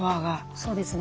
そうですね。